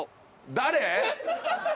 誰？